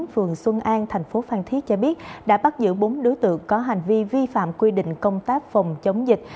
phường xuân an thành phố phan thiết cho biết đã bắt giữ bốn đối tượng có hành vi vi phạm quy định công tác phòng chống dịch